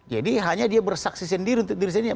jadi hanya dia bersaksi sendiri untuk diri sendiri